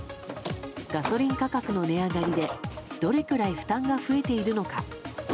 ガソリン価格の値上がりでどれくらい負担が増えているのか。